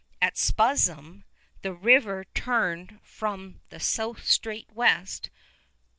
At Spuzzum the river turned from the south straight west.